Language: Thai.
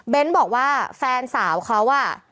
เบนส์บอกว่าแฟนสาวเขาอ่ะ